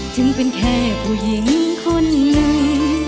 ถึงเป็นแค่ผู้หญิงคนเดียว